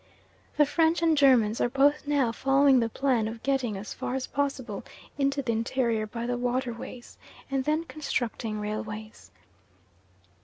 The French and Germans are both now following the plan of getting as far as possible into the interior by the waterways, and then constructing railways.